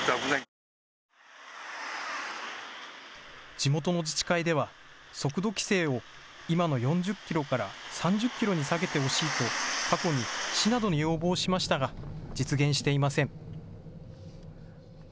地元の自治会では速度規制を今の４０キロから３０キロに下げてほしいと過去に市などに要望しましたが実現していません。